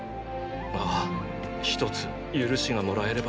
ああ一つ“ゆるし”がもらえれば。